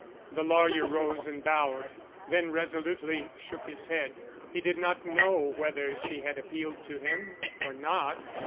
The lawyer rose and bowed; then resolutely shook his head. He did not know whether she had appealed to him or not.